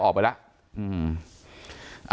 ออกไปแล้ว